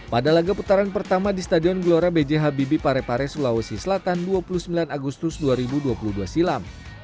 pada laga putaran pertama di stadion gelora b j habibie parepare sulawesi selatan dua puluh sembilan agustus dua ribu dua puluh dua silam